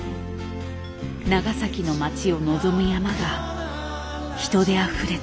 長崎の街を望む山が人であふれた。